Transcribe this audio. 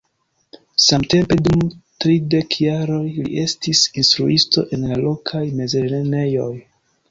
Samtempe dum tridek jaroj li estis instruisto en la lokaj mezlernejoj.